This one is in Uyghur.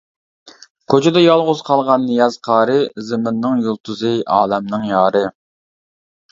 كوچىدا يالغۇز قالغان نىياز قارى-زېمىننىڭ يۇلتۇزى، ئالەمنىڭ يارى.